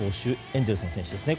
エンゼルスの選手ですね。